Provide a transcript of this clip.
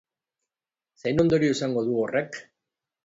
Zein ondorio izango du horrek?